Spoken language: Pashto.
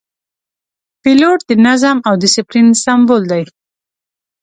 پیلوټ د نظم او دسپلین سمبول دی.